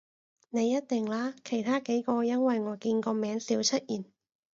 你一定啦，其他幾個因爲我見個名少出現